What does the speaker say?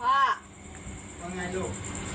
วันไงลูก